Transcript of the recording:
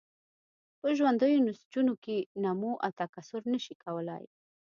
په ژوندیو نسجونو کې نمو او تکثر نشي کولای.